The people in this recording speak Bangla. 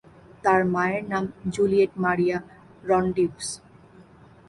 তার মায়ের নাম জুলিয়েট মারিয়া রনডিউক্স।